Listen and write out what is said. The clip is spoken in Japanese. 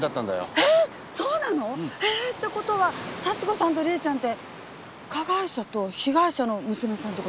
ええっそうなの！？って事は幸子さんと理恵ちゃんって加害者と被害者の娘さんって事？